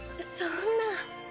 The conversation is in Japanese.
そんな。